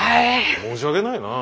申し訳ないなぁ。